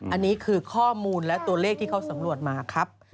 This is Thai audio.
อันนี้คือข้อมูลและตัวเลขที่เขาสำรวจมาครับ